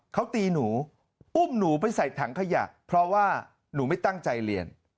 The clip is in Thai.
เขาตีหนูอุ้มหนูไปใส่ถังขยะเพราะว่าหนูไม่ตั้งใจเรียน